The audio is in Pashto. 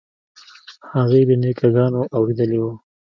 هغې له نیکه ګانو اورېدلي وو.